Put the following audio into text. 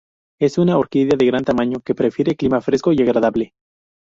Es una orquídea de gran tamaño, que prefiere clima fresco y agradable.